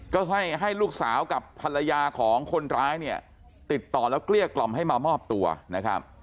ก็ให้ให้ลูกสาวกับภรรยาของคนร้ายเนี่ยติดต่อแล้วเกลี้ยกล่อมให้มามอบตัวนะครับ